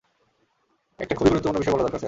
একটা খুবই গুরুত্বপূর্ণ বিষয় বলা দরকার, স্যার।